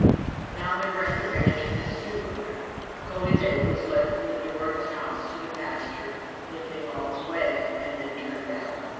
Now they were at the ranch of this new owner. Coaly bay was led from the door of the house to the pasture, limping all the way, and then turned out.